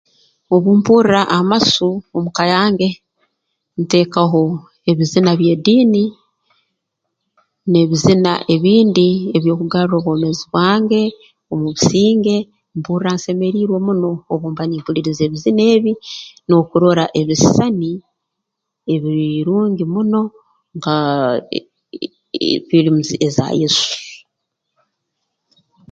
Obu mpurra amasu omuka yange nteekaho ebizina by'ediini n'ebizina ebindi eby'okugarra obwomeezi bwange omu businge mpurra nsemeriirwe muno obu mba nimpuliriza ebizina ebi n'okurora ebisisani ebirungi muno nka ee ee nka fiilimu eza Yesu